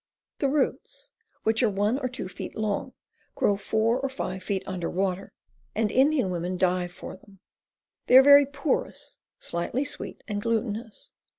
The roots, which are one or two feet long, grow four or five feet under water, and Indian women dive for them. They are very porous, slightly sweet, and glutinous.